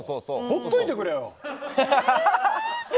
放っといてくれよ。